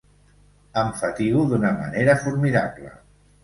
Em fatigo d'una manera formidable.